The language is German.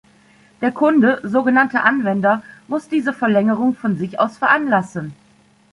Der Kunde, sogenannter Anwender, muss diese Verlängerung von sich aus veranlassen.